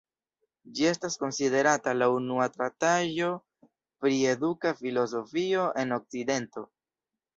Ĝi estas konsiderata la unua traktaĵo pri eduka filozofio en Okcidento.